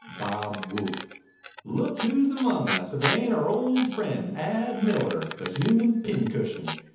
Bob whooped. "Look who's among us. If it ain't our old friend Ad Miller, the human pincushion.